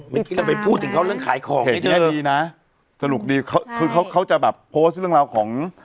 เมื่อกี้จะไปพูดถึงเขาเรื่องขายของเพจนี้ดีนะสนุกดีเขาคือเขาเขาจะแบบโพสต์เรื่องราวของ